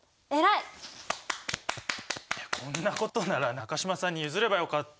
いやこんなことなら中島さんに譲ればよかった。